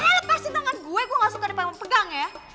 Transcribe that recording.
lepasin tangan gue gue gak suka dipakem pegang ya